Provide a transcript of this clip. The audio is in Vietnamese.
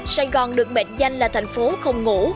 sài gòn được mệnh danh là thành phố không ngủ